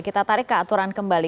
kita tarik ke aturan kembali